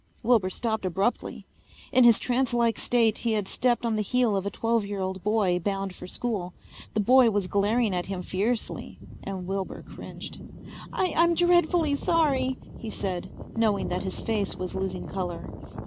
Wilbur stopped abruptly. In his trance like state he had stepped on the heel of a twelve year old boy bound for school. The boy was glaring at him fiercely and Wilbur cringed. "I'm dreadfully sorry," he said, knowing that his face was losing color.